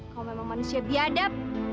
kamu memang manusia biadab